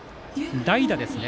代打ですね。